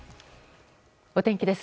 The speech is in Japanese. お天気です。